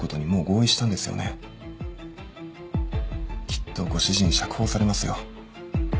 きっとご主人釈放されますよ。